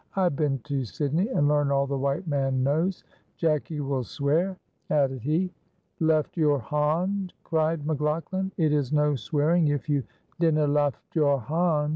I been to Sydney and learn all the white man knows. Jacky will swear," added he. "Left your hond," cried McLaughlan. "It is no swearing if you dinna left your hond."